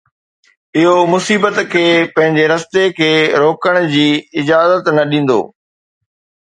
اهو مصيبت کي پنهنجي رستي کي روڪڻ جي اجازت نه ڏيندو.